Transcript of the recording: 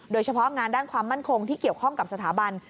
โดยเฉพาะงานด้านความมั่นคงที่เกี่ยวข้องกับสถาบัน